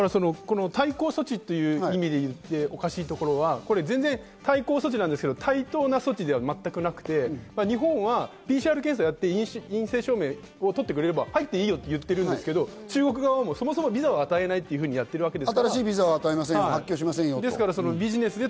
対抗措置という意味で言うと、おかしいのは対抗措置なんですけど、対等な措置では全くなくて、日本はＰＣＲ検査やって、陰性証明を取ってくれれば入っていいよって言ってるんですけど、中国側はそもそもビザを与えないといってます。